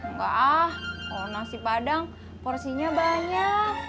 enggak ah kalau nasi padang porsinya banyak